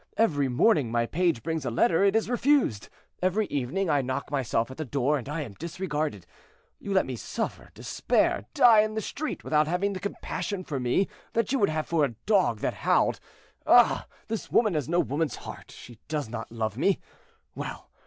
Every morning my page brings a letter; it is refused. Every evening I knock myself at the door, and I am disregarded. You let me suffer, despair, die in the street, without having the compassion for me that you would have for a dog that howled. Ah! this woman has no woman's heart, she does not love me. Well!